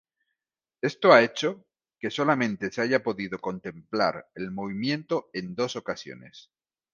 Esto ha hecho que, solamente, se haya podido contemplar el movimiento en dos ocasiones.